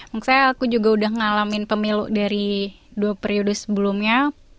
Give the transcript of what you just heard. maksudnya aku juga udah ngalamin pemilu dari dua periode sebelumnya